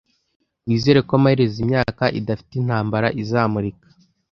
wizere ko amaherezo imyaka idafite intambara izamurika